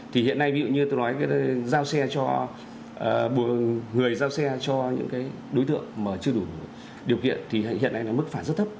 thì hiện nay ví dụ như tôi nói người giao xe cho những đối tượng mà chưa đủ điều kiện thì hiện nay mức phản rất thấp